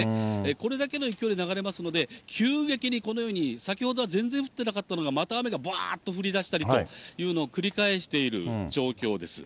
これだけの勢いで流れますので、急激にこのように、先ほどは全然降ってなかったのが、また雨がぶわーっと降りだしたりというのを繰り返している状況です。